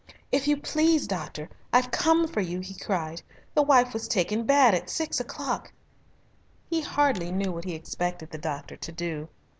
"If you please, doctor, I've come for you," he cried; "the wife was taken bad at six o'clock." He hardly knew what he expected the doctor to do.